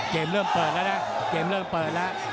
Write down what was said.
เกมเริ่มเปิดแล้ว